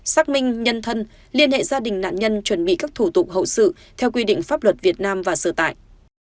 xác minh nhân thân liên hệ gia đình nạn nhân chuẩn bị các thủ tục hậu sự theo quy định pháp luật việt nam và sở tại